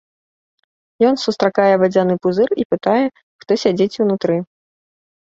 Ён сустракае вадзяны пузыр і пытае, хто сядзіць унутры.